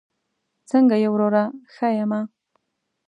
څنګه یې وروره؟ ښه یمه